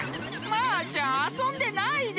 マーちゃんあそんでないで！